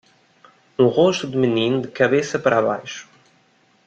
Um rosto de menina de cabeça para baixo.